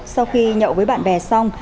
sau khi nhậu với bạn bè xong